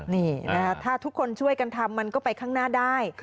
นี่นะคะถ้าทุกคนช่วยกันทำมันก็ไปข้างหน้าได้